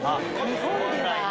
日本では。